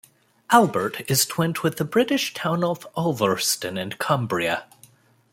Albert is twinned with the British town of Ulverston in Cumbria.